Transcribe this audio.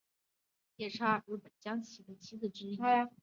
夜叉是日本将棋的棋子之一。